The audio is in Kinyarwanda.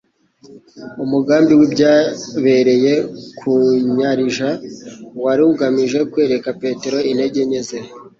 Umugambi w'ibyabereye ku nyarija, wari ugamije kwereka Petero intege nke ze,